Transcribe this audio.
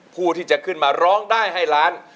ผู้ที่จะขึ้นมาร้องได้ให้ล้าน